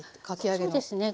そうですね